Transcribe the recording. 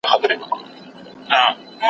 خو فشار باید واکمن نه شي.